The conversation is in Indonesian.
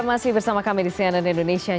masih bersama kami di cnn indonesia